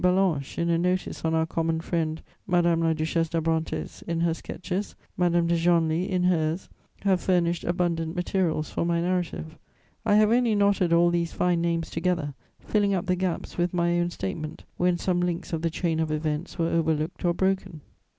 Ballanche in a notice on our common friend, Madame la Duchesse d'Abrantès in her sketches, Madame de Genlis in hers have furnished abundant materials for my narrative: I have only knotted all these fine names together, filling up the gaps with my own statement, when some links of the chain of events were overlooked or broken.